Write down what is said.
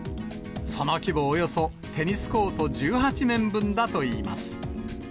その規模およそテニスコート１８面分だといいます。